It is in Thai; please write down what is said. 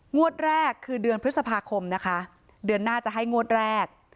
งวดแรกคือเดือนพฤษภาคมนะคะเดือนหน้าจะให้งวดแรก